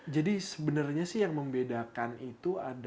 jadi sebenarnya sih yang membedakan itu